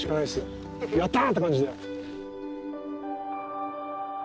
「やった！」って感じで。